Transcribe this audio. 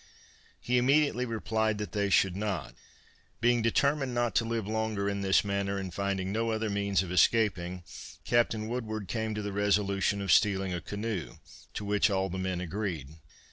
He immediately replied that they should not. Being determined not to live longer in this manner, and finding no other means of escaping, Captain Woodward came to the resolution of stealing a canoe, to which all the men agreed.